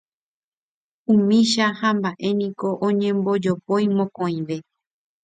Umícha hamba'e niko oñombojopói mokõive.